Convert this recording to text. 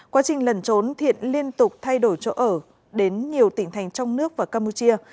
quá trình lần trốn thiện liên tục thay đổi chỗ ở đến nhiều tỉnh thành trong nước và campuchia